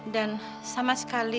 dan sama sekali